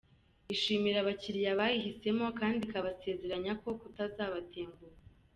Ishimira abakiriya bayihisemo kandi ikabasezeranya kutazabatenguha.